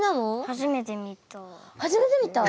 初めて見た？